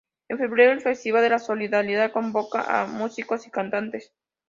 En febrero, el Festival de la Solidaridad convoca a músicos y cantantes.